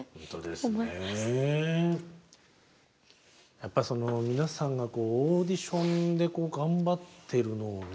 やっぱりその皆さんがこうオーディションで頑張ってるのをね